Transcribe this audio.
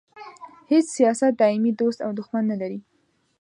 هیڅ سیاست دایمي دوست او دوښمن نه لري.